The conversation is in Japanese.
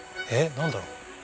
何だろう。